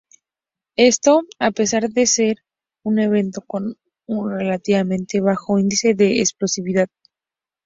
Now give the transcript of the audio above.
Esto, a pesar de ser un evento con un relativamente bajo índice de explosividad.